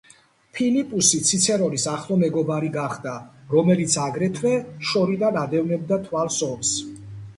ფილიპუსი ციცერონის ახლო მეგობარი გახდა, რომელიც, აგრეთვე, შორიდან ადევნებდა თვალს ომს.